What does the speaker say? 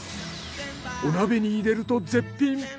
お鍋に入れると絶品！